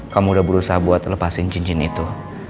kamu udah berusaha buat lepasin cincin itu